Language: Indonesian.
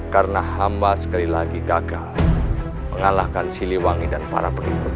karena hamba sekali lagi gagal mengalahkan siliwangi dan para pengikut